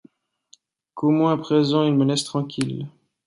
Qu'au moins, à présent, il me laisse tranquille.